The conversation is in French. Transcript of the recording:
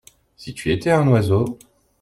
Si tu étais un oiseau.